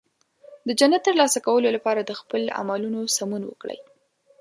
د جنت ترلاسه کولو لپاره د خپل عملونو سمون وکړئ.